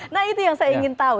nah itu yang saya ingin tahu